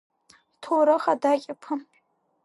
Ҳҭоурых адаҟьақәа…